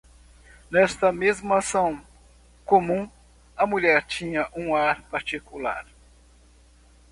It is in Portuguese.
Nessa mesma ação comum, a mulher tinha um ar particular.